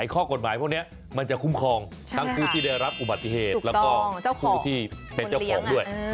ข้อกฎหมายพวกนี้มันจะคุ้มครองทั้งผู้ที่ได้รับอุบัติเหตุแล้วก็ผู้ที่เป็นเจ้าของด้วย